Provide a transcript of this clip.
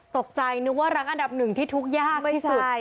ตกใจนึกว่ารังอันดับหนึ่งที่ทุกข์ยากที่สุดไม่ใช่